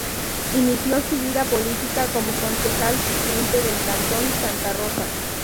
Inició su vida política como concejal suplente del cantón Santa Rosa.